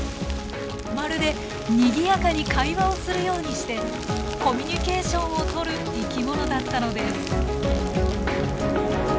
まるでにぎやかに会話をするようにしてコミュニケーションをとる生き物だったのです。